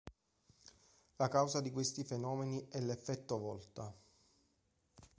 La causa di questi fenomeni è l'effetto Volta.